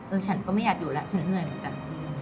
ฉันก็ไม่อยากอยู่แล้วฉันเหนื่อยเหมือนกัน